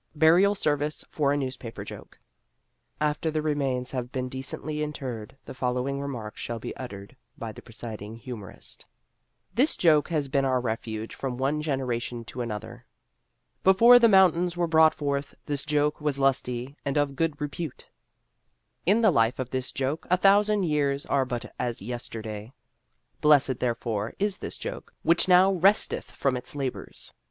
BURIAL SERVICE FOR A NEWSPAPER JOKE After the remains have been decently interred, the following remarks shall be uttered by the presiding humorist: This joke has been our refuge from one generation to another: Before the mountains were brought forth this joke was lusty and of good repute: In the life of this joke a thousand years are but as yesterday. Blessed, therefore, is this joke, which now resteth from its labors.